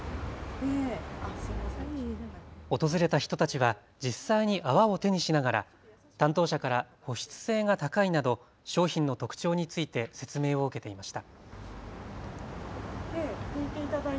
訪れた人たちは実際に泡を手にしながら担当者から保湿性が高いなど商品の特徴について説明を受けていました。